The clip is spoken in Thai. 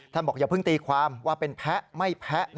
บอกอย่าเพิ่งตีความว่าเป็นแพ้ไม่แพ้